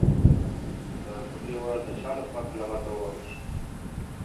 د کوټې ور د چا لخوا په لغته ووهل شو؟